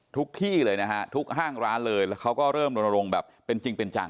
ทุกที่เลยนะฮะทุกห้างร้านเลยเขาก็เริ่มโดนโรงแบบเป็นจริงเป็นจัง